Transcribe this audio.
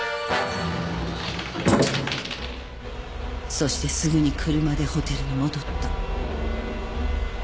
そしてすぐに車でホテルに戻った。